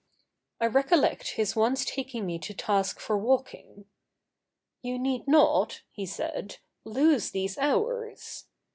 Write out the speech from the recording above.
I recollect his once taking me to task for walking. 'You need not,' he said, 'lose these hours.